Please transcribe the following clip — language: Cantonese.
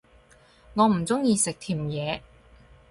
我唔鍾意食甜野